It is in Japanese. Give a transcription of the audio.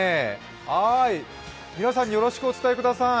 皆さんによろしくお伝えください。